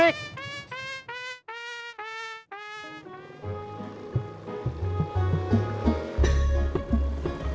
saya belum naik